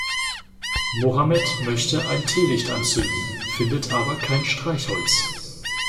Mohammed möchte ein Teelicht anzünden, findet aber kein Streichholz.